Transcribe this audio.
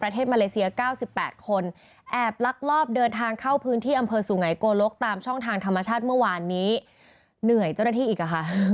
ที่อำเภอสูงไหนโกลกตามช่องทางธรรมชาติเมื่อวานนี้เหนื่อยเจ้าหน้าที่อีกค่ะ